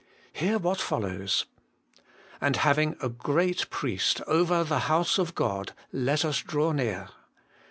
Hear what follows :' And having a Great Priest over the House of God, let us draw near.'